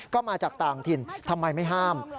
ก็มาจากต่างถิ่นทำไมไม่ห้าม